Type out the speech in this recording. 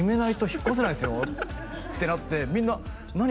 「引っ越せないですよ」ってなって「みんな何？